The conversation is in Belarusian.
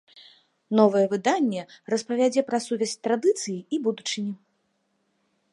Новае выданне распавядзе пра сувязь традыцыі і будучыні.